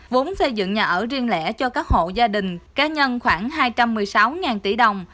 vốn xây dựng nhà ở riêng lẻ cho các hộ gia đình cá nhân khoảng hai trăm một mươi sáu tỷ đồng